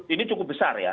ini cukup besar ya